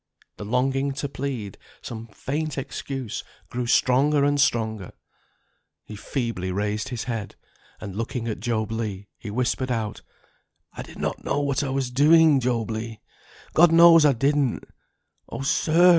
The longing to plead some faint excuse grew stronger and stronger. He feebly raised his head, and looking at Job Legh, he whispered out, "I did not know what I was doing, Job Legh; God knows I didn't! Oh, sir!"